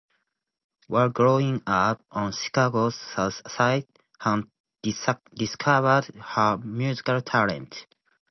While growing up on Chicago's south side Hunt discovered her musical talent.